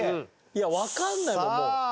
いやわからないもんもう。